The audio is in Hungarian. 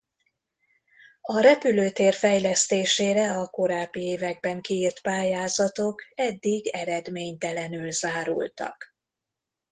A repülőtér fejlesztésére a korábbi években kiírt pályázatok eddig eredménytelenül zárultak.